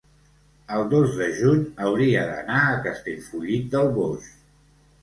el dos de juny hauria d'anar a Castellfollit del Boix.